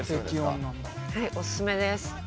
はいお勧めです。